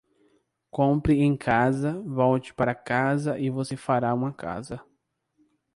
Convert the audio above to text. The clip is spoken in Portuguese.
Compre em casa, volte para casa e você fará uma casa.